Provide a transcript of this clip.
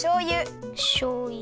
しょうゆ。